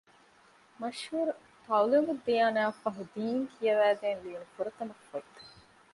މަޝްހޫރު ތަޢުލީމުއްދިޔާނާ އަށްފަހު ދީން ކިޔަވައިދޭން ލިޔެވުނު ފުރަތަމަ ފޮތަށް